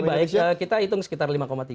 baik kita hitung sekitar lima tiga